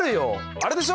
あれでしょ？